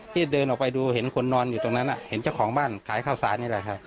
ที่เดินออกไปดูเห็นคนนอนอยู่ตรงนั้นเห็นเจ้าของบ้านขายข้าวสารนี่แหละครับ